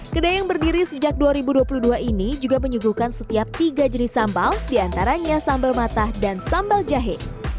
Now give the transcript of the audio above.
kedai yang berdiri sejak dua ribu dua puluh dua ini juga menyuguhkan setiap tiga jenis sambal diantaranya sambal matah dan sambal jahe